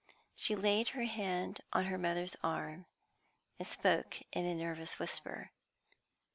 She laid her hand on her mother's arm, and spoke in a nervous whisper.